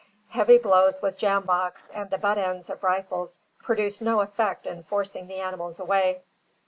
Heavy blows with jamboks and the butt ends of rifles produced no effect in forcing the animals away.